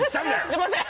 すいません！